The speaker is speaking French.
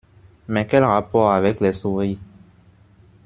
Mais quel rapport avec les souris?